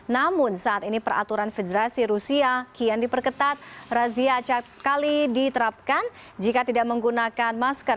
namun saat ini peraturan federasi rusia kian diperketat razia acak kali diterapkan jika tidak menggunakan masker